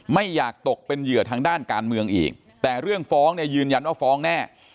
ไม่อยากตกเป็นเหยื่อทางด้านการเมืองอีกแต่เรื่องฟ้องเนี่ยยืนยันว่าฟ้องแน่